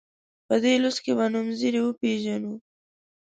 په دې لوست کې به نومځري وپيژنو.